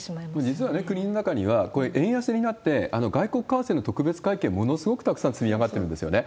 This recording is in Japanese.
実は国の中には、これ、円安になって、外国為替の特別会計、ものすごくたくさん積み上がってるんですよね。